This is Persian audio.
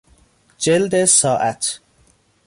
جلد ساعت